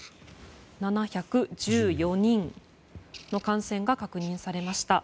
７１４人の感染が確認されました。